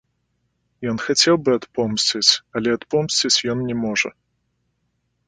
Ён хацеў бы адпомсціць, але адпомсціць ён не можа.